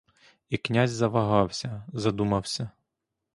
І князь завагався, задумався.